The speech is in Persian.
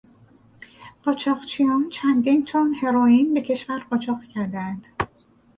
قاچاقچیان چندین تن هروئین به کشور قاچاق کردهاند.